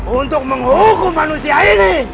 untuk menghukum manusia ini